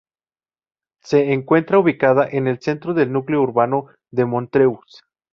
Se encuentra ubicada en el centro del núcleo urbano de Montreux.